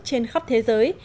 trên khắp thế giới